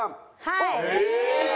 はい。